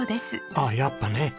あっやっぱね。